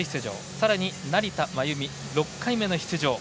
さらに成田真由美、６回目の出場。